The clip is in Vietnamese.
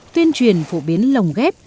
tuyên truyền phổ biến lòng ghép